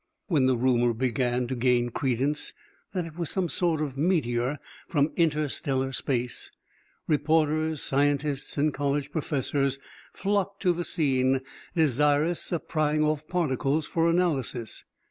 When the rumor began to gain credence that it was some sort of meteor from inter stellar space, reporters, scientists and college professors flocked to the scene, desirous of prying off particles for analysis.